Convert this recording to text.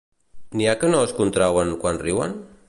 N'hi ha que no es contrauen quan riuen?